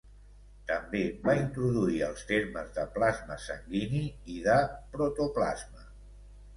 També va introduir els termes de plasma sanguini i de protoplasma.